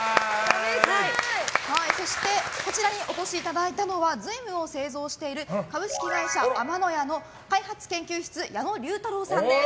そしてこちらにお越しいただいたのは瑞夢を製造している株式会社天乃屋の矢野龍太郎さんです。